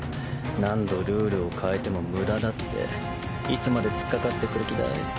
何度ルールを変えても無駄だっていつまでつっかかってくる気だい？